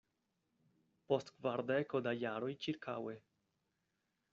Post kvardeko da jaroj ĉirkaŭe.